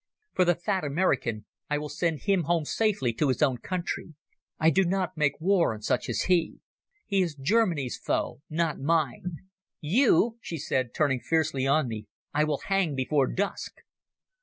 For the fat American, I will send him home safely to his own country. I do not make war on such as he. He is Germany's foe, not mine. You," she said, turning fiercely on me, "I will hang before dusk."